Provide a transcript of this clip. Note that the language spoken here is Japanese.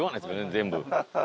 全部。